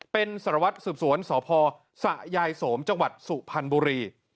เป็นสารวัตรสืบสวนสพสะยายโสมจังหวัดสุพรรณบุรี